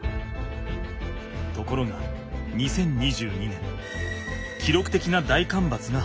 ところが２０２２年きろく的な大干ばつが発生。